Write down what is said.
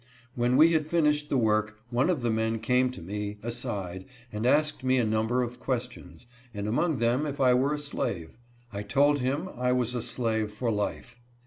When we had finished the work one of the men came to me, aside, and asked me a number of questions, and among them if I were a slave ? I told him " I was a slave for life."